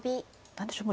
何でしょう